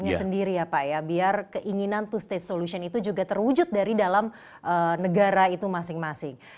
pada saat ini keinginan untuk melakukan two state solution terwujud dari negara masing masing